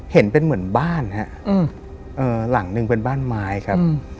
เห็นเป็นเหมือนบ้านฮะหลังหนึ่งเป็นบ้านไม้ครับ